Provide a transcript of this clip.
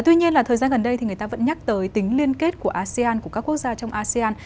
tuy nhiên là thời gian gần đây thì người ta vẫn nhắc tới tính liên kết của asean của các quốc gia trong asean